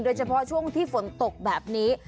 โดยเฉพาะช่วงที่ฝนตกแบบนี้